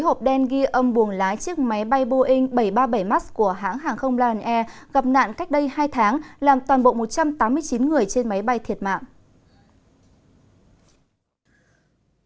hộp đen ghi âm buồng lái chiếc máy bay boeing bảy trăm ba mươi bảy max của hãng hàng không lion air gặp nạn cách đây hai tháng làm toàn bộ một trăm tám mươi chín người trên máy bay thiệt mạng